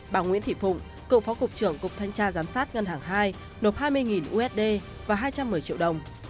bà nguyễn thị phụng cựu phó cục trưởng cục thanh tra giám sát ngân hàng hai nộp hai mươi usd và hai trăm một mươi triệu đồng